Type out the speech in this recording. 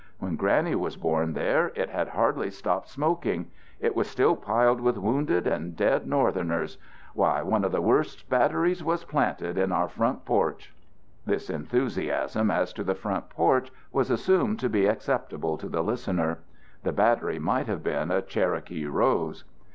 When Granny was born there, it had hardly stopped smoking; it was still piled with wounded and dead Northerners. Why, one of the worst batteries was planted in our front porch." This enthusiasm as to the front porch was assumed to be acceptable to the listener. The battery might have been a Cherokee rose.